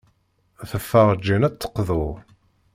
Teffeɣ Jane ad d-teqḍu.